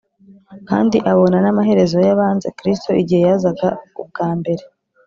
kandi abona n’amaherezo y’abanze kristo igihe yazaga ubwa mbere: